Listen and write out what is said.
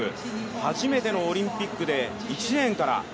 初めてのオリンピックで１レーンから。